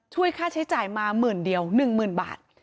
ช่วยค่าใช้จ่ายมาหมื่นเดียว๑๐๐๐บาท